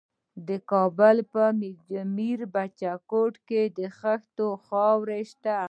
د کابل په میربچه کوټ کې د خښتو خاوره شته.